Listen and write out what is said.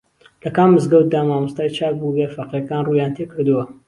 لە کام مزگەوتدا مامۆستای چاک بووبێ فەقێکان ڕوویان تێکردووە